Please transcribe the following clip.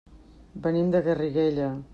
Venim de Garriguella.